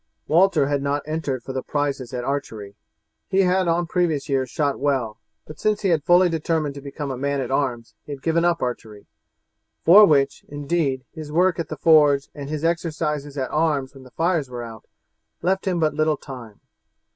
Walter had not entered for the prizes at archery. He had on previous years shot well; but since he had fully determined to become a man at arms he had given up archery, for which, indeed, his work at the forge and his exercises at arms when the fires were out, left him but little time.